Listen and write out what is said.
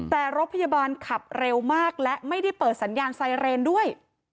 แต่รถพยาบาลขับเร็วมากและไม่ได้เปิดสัญญาณไซเรนด้วย